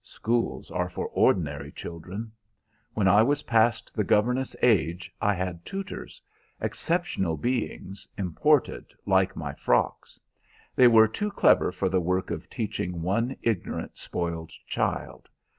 Schools are for ordinary children. When I was past the governess age I had tutors, exceptional beings, imported like my frocks. They were too clever for the work of teaching one ignorant, spoiled child.